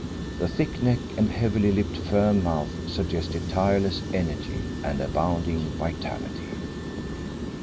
The thick neck and heavily lipped firm mouth suggested tireless energy and abounding vitality.